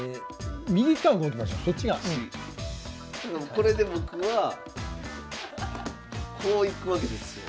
これで僕はこういくわけですよ。